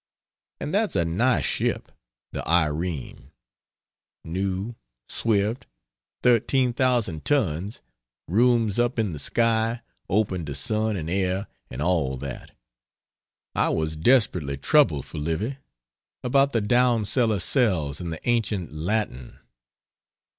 And that's a nice ship the Irene! new swift 13,000 tons rooms up in the sky, open to sun and air and all that. I was desperately troubled for Livy about the down cellar cells in the ancient "Latin."